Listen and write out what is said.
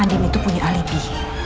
andi itu punya alibi